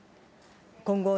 今後、